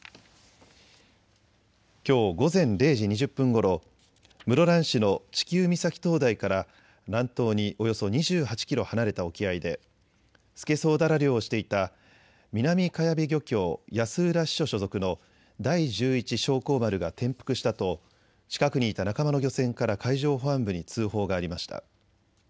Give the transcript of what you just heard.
きょう午前０時２０分ごろ、室蘭市のチキウ岬灯台から南東におよそ２８キロ離れた沖合でスケソウダラ漁をしていた南かやべ漁協安浦支所所属の第十一松光丸が転覆したと近くにいた仲間の漁船から海上保安部に通報がありました。